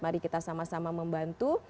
mari kita sama sama membantu